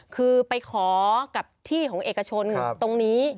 คือไปขอกับที่ของเอกชนตรงนี้